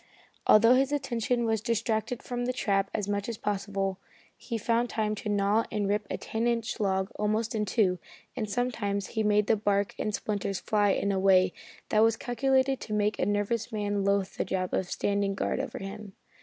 Although his attention was distracted from the trap as much as possible, he found time to gnaw and rip a ten inch log almost in two, and sometimes he made the bark and splinters fly in a way that was calculated to make a nervous man loathe the job of standing guard over him.